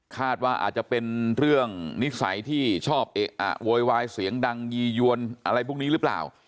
คาดว่าอาจจะเป็นเรื่องนิสัยที่ชอบเอะอะโวยวายเสียงดังยียวนอะไรพวกนี้หรือเปล่า